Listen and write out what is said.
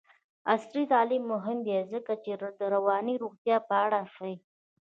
عصري تعلیم مهم دی ځکه چې د رواني روغتیا په اړه ښيي.